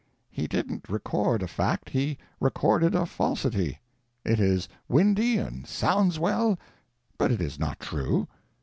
He didn't record a fact, he recorded a falsity. It is windy, and sounds well, but it is not true.